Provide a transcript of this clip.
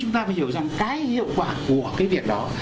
chúng ta phải hiểu rằng cái hiệu quả của cái việc đó